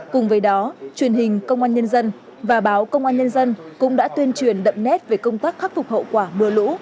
cùng với đó truyền hình công an nhân dân và báo công an nhân dân cũng đã tuyên truyền đậm nét về công tác khắc phục hậu quả mưa lũ